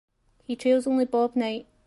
He trails only Bob Knight.